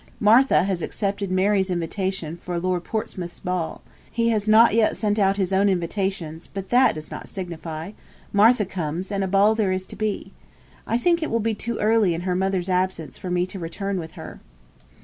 Martha has accepted Mary's invitation for Lord Portsmouth's ball. He has not yet sent out his own invitations, but that does not signify; Martha comes, and a ball there is to be. I think it will be too early in her mother's absence for me to return with her.